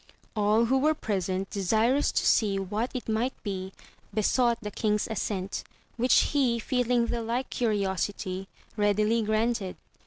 All who were present, desirous to AMADIS OF GAUL. 35 see what it might be, besought the king's assent, which he, feeling the like curiosity, readily granted.